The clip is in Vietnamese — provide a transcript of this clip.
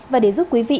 và để giúp quý vị